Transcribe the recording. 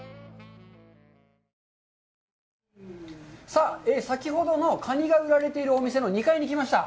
さあ、先ほどのカニが売られているお店の２階に来ました。